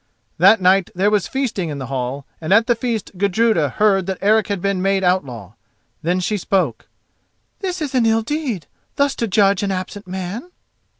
That night there was feasting in the hall, and at the feast Gudruda heard that Eric had been made outlaw. Then she spoke: "This is an ill deed, thus to judge an absent man."